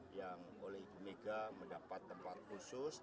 yang oleh ibu mega mendapat tempat khusus